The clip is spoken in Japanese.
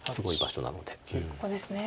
ここですね。